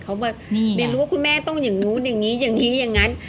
เขาแบบเรียนรู้ว่าคุณแม่ต้องอย่างนู้นอย่างนี้อย่างนี้อย่างนั้น